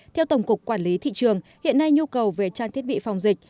theo tổng cục quản lý thị trường hiện nay nhu cầu về trang thiết bị phòng dịch